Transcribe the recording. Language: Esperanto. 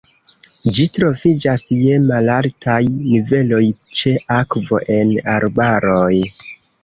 Ĝi troviĝas je malaltaj niveloj ĉe akvo en arbaroj.